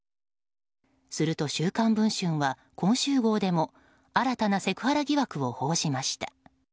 すると「週刊文春」は今週号でも新たなセクハラ疑惑を報じました。